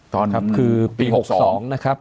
ตอนปี๖๒นะครับ